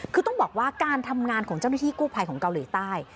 คือต้องบอกว่าการทำงานของเจ้าหน้าที่กู้ภัยของเกาหลีใต้